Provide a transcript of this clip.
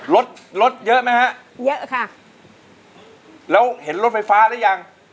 รถรถเยอะไหมฮะเยอะค่ะแล้วเห็นรถไฟฟ้าหรือยัง